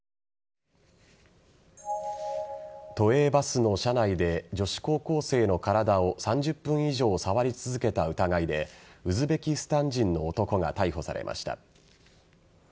都営バスの車内で女子高校生の体を３０分以上触り続けた疑いでウズベキスタン人の男が逮捕されました。